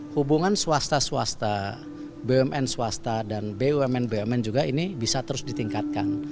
hubungan swasta swasta bumn swasta dan bumn bumn juga ini bisa terus ditingkatkan